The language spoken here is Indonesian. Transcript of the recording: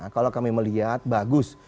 kalau kami melihat bagus